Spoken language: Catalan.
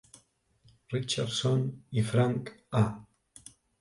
Richardson i Frank A.